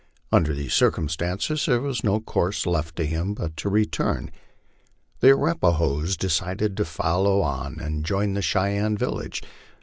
Under these circumstances there was no course left to him but to return. The Arapahoes decided to follow on and join the Cheyenne village.